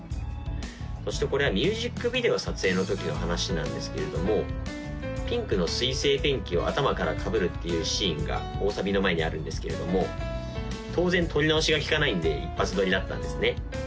そしてこれはミュージックビデオ撮影の時の話なんですけれどもピンクの水性ペンキを頭からかぶるっていうシーンが大サビの前にあるんですけれども当然撮り直しがきかないんで一発撮りだったんですね